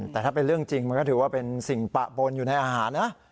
แต่ถ้าเป็นเรื่องจริงมันก็ถือว่าเป็นสิ่งปะปนอยู่ในอาหารนะ